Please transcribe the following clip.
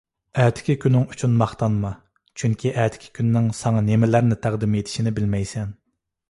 ئەتىكى كۈنۈڭ ئۈچۈن ماختانما، چۈنكى ئەتىكى كۈننىڭ ساڭا نېمىلەرنى تەقدىم ئېتىشىنى بىلمەيسەن.